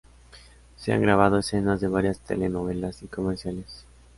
Se han grabado escenas de varias telenovelas y comerciales.